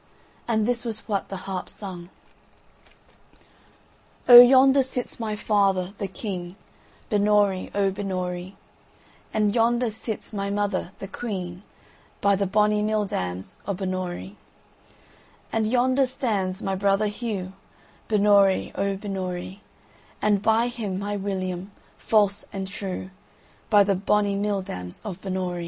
And this was what the harp sung: "O yonder sits my father, the king, Binnorie, O Binnorie; And yonder sits my mother, the queen; By the bonny mill dams o' Binnorie, "And yonder stands my brother Hugh, Binnorie, O Binnorie; And by him, my William, false and true; By the bonny mill dams o' Binnorie."